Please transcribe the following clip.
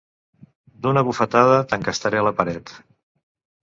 D'una bufetada t'encastaré a la paret!